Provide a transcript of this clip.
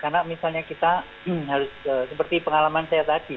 karena misalnya kita harus seperti pengalaman saya tadi